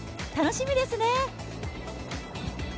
楽しみですね。